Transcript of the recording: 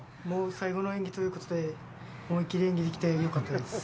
最後の演技ということで、思い切り演技ができてよかったです。